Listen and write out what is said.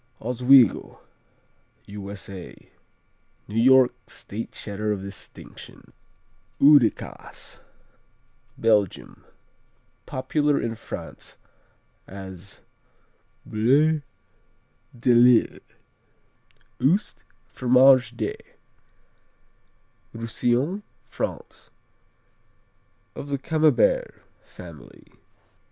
Oswego U.S.A. New York State Cheddar of distinction. Oude Kaas Belgium Popular in France as Boule de Lille. Oust, Fromage de Roussillon, France Of the Camembert family.